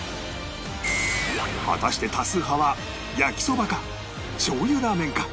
果たして多数派は焼きそばかしょう油ラーメンか？